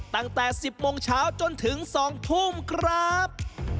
ตั้งแต่๑๐โมงเช้าจนถึง๒ทุ่มครับ